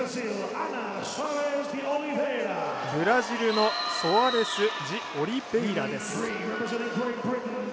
ブラジルのソアレスジオリベイラです。